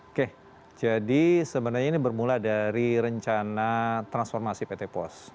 oke jadi sebenarnya ini bermula dari rencana transformasi pt pos